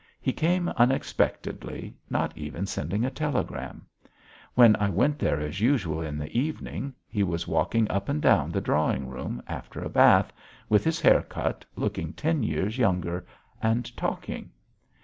He came unexpectedly, not even sending a telegram. When I went there as usual in the evening, he was walking up and down the drawing room, after a bath, with his hair cut, looking ten years younger, and talking.